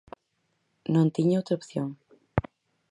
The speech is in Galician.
Non tiña outra opción.